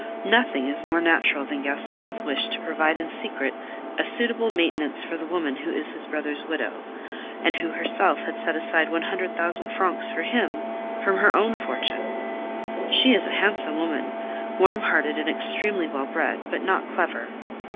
Nothing is more natural than Gaston's wish to provide in secret a suitable maintenance for the woman who is his brother's widow, and who had herself set aside one hundred thousand francs for him from her own fortune. She is a handsome woman, warm hearted, and extremely well bred, but not clever.